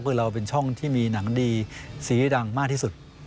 คือเราเป็นช่องที่มีหนังดีสีดังมากที่สุด